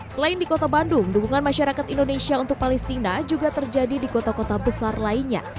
selain di kota bandung dukungan masyarakat indonesia untuk palestina juga terjadi di kota kota besar lainnya